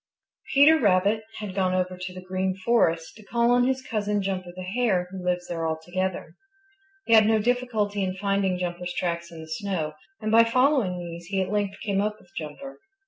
Peter Rabbit had gone over to the Green Forest to call on his cousin, Jumper the Hare, who lives there altogether. He had no difficulty in finding Jumper's tracks in the snow, and by following these he at length came up with Jumper.